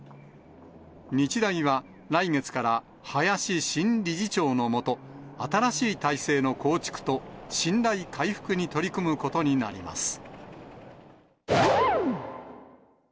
日大は来月から、林新理事長の下、新しい体制の構築と信頼回復に取り組むことになります。